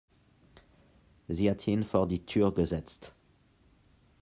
Sie hat ihn vor die Tür gesetzt.